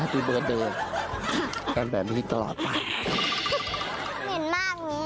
แล้วคือเป็นเปลี่ยนชุมพี่กิ๊กสแฟร์ค่ะ